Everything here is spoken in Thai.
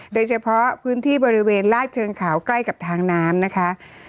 โดยเฉพาะพื้นที่บริเวณลาดเชิงเขาใกล้กับทางน้ำนะคะ